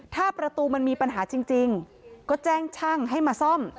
ถ้าประตูมันมีปัญหาจริงก็แจ้งช่างให้มาซ่อม